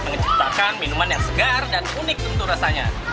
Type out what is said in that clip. menciptakan minuman yang segar dan unik tentu rasanya